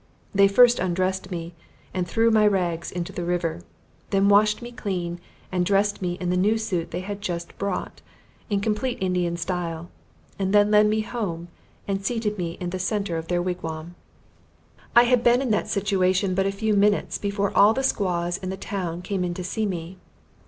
They first undressed me and threw my rags into the river; then washed me clean and dressed me in the new suit they had just brought, in complete Indian style; and then led me home and seated me in the center of their wigwam. I had been in that situation but a few minutes before all the Squaws in the town came in to see me.